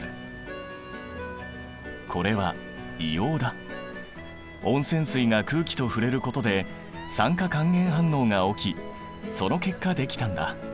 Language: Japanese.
これは温泉水が空気と触れることで酸化還元反応が起きその結果できたんだ。